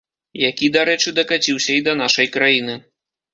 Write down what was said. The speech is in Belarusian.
Які, дарэчы, дакаціўся і да нашай краіны.